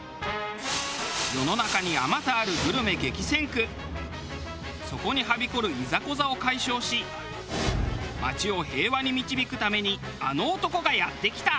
世の中にあまたあるそこにはびこるいざこざを解消し街を平和に導くためにあの男がやって来た。